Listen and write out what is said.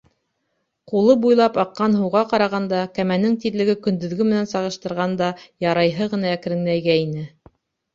Ҡулы буйлап аҡҡан һыуға ҡарағанда, кәмәнең тиҙлеге, көндөҙгө менән сағыштырғанда, ярайһы ғына әкренәйгәйне.